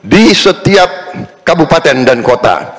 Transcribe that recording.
di setiap kabupaten dan kota